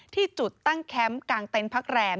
ที่จุดตั้งแคมป์กลางเต็นต์พักแรม